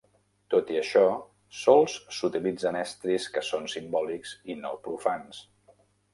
Tot i això, sols s'utilitzen estris que són simbòlics i no profans.